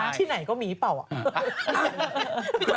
ที่ไหนก็มีหรือเปล่าอ่ะ